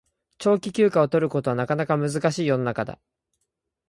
長期休暇を取ることはなかなか難しい世の中だ